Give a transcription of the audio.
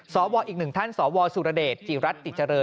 สวอีกหนึ่งท่านสวสุรเดช